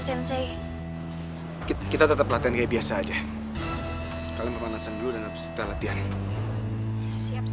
sensei kita tetap latihan biasa aja kalian pemanasan dulu dan harus kita latihan siap